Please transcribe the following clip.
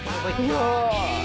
いや。